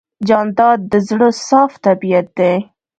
جانداد د زړه صاف طبیعت دی.